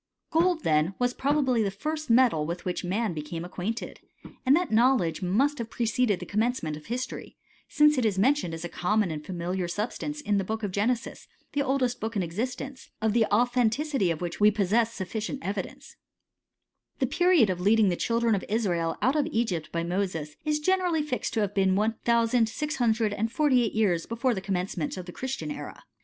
Gold, then, was probably the first metal with which man became acquainted ; and that knowledge mus^ have preceded the commencement of history, since it is mentioned as a common and familiar substance in the Book of Genesis, the oldest book in existence, of the authenticity of which we possess sufficient evidence, The period of leading the children of Israel out of \ Egypt by Moses, is generally fixed to have been one '^ thousand six hundred and forty eight years before the commencement of the Christian era.